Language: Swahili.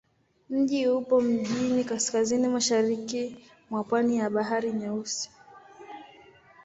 Mji upo mjini kaskazini-mashariki mwa pwani ya Bahari Nyeusi.